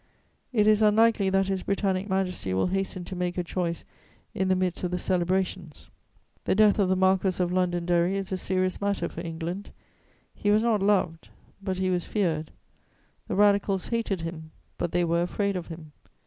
It is unlikely that His Britannic Majesty will hasten to make a choice in the midst of the celebrations. The death of the Marquess of Londonderry is a serious matter for England: he was not loved, but he was feared; the Radicals hated him, but they were afraid of him.